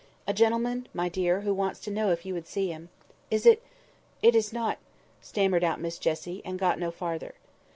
"A gentleman, my dear, who wants to know if you would see him." "Is it?—it is not"—stammered out Miss Jessie—and got no farther.